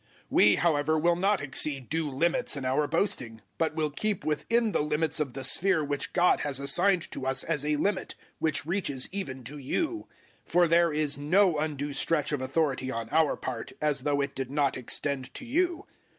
010:013 We, however, will not exceed due limits in our boasting, but will keep within the limits of the sphere which God has assigned to us as a limit, which reaches even to you. 010:014 For there is no undue stretch of authority on our part, as though it did not extend to you.